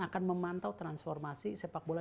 akan memantau transformasi sepak bola